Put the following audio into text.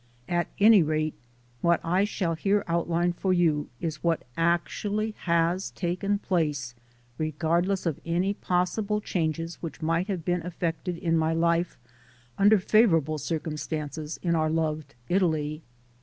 At any rate, what I shall here outline for you is what actually has taken place, regardless of any possible changes which might have been effected in my life under favorable circumstances in our loved Italy.